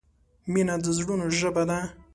مینه د زړونو ژبه ده.